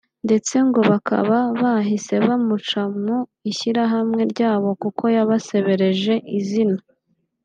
ndetse ngo bakaba bahise bamuca mu ishyirahamwe ryabo kuko yabasebereje izina